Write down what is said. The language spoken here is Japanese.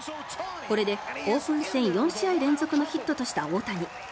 これでオープン戦４試合連続のヒットとした大谷。